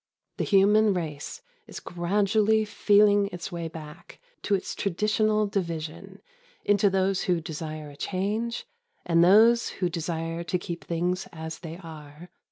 The human race is gradually feeling its way back to its traditional division into those who desire a change and those who desire to keep things as they are.